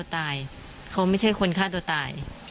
ภารกิจวิจัย